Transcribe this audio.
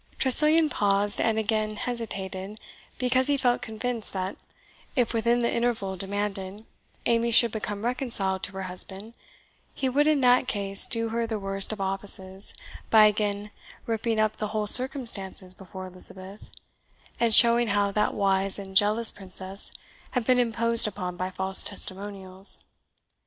Tressilian paused, and again hesitated; because he felt convinced that if, within the interval demanded, Amy should become reconciled to her husband, he would in that case do her the worst of offices by again ripping up the whole circumstances before Elizabeth, and showing how that wise and jealous princess had been imposed upon by false testimonials.